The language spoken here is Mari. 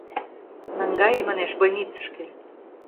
Наҥгае, манеш, больницышке.